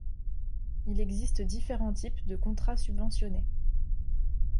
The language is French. Il existe différents types de contrats subventionnés.